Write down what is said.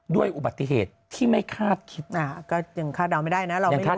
ด้วยอุบัติเหตุที่ไม่คาดคิดอ่าก็ยังคาดเดาไม่ได้นะเราไม่รู้นะ